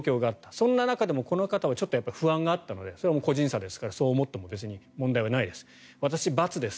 そんな中でもこの方は不安があったのでそれは個人差ですからそれがあっても問題ないです。